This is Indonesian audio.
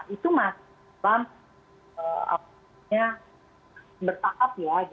itu masih dalam bertahap ya